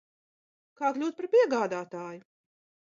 Kā kļūt par piegādātāju?